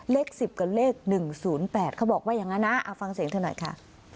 เลข๑๐กับเลข๑๐๘เขาบอกว่าอย่างนั้นนะฟังเสียงเธอหน่อยค่ะ